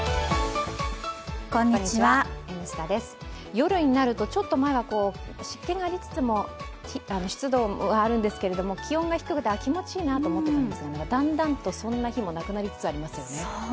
夜になると、ちょっとまだ湿気がありつつも湿度はあるんですけど、気温が低くて、気持ちいいなと思っていたんですが、だんだんとそんな日もなくなりつつありますよね。